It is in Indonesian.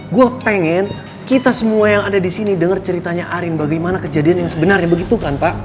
gue pengen kita semua yang ada di sini dengar ceritanya arin bagaimana kejadian yang sebenarnya begitu kan pak